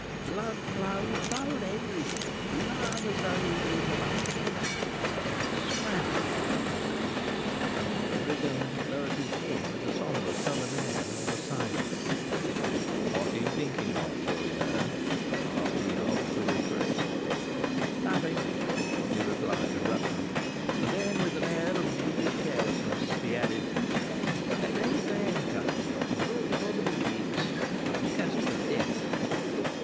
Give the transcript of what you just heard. Blood flowed, flowed everywhere, blood, as though we were in the bone house, I swam in it " The brigand lowered his head with a sombre, sullen air, and was silent. "What are you thinking of, Chourineur?" asked Rodolph, with interest. "Nothing," he replied, abruptly; and then, with an air of brutish carelessness, he added, "At length they handcuffed me, and brought me before the 'big wigs,' and I was cast for death."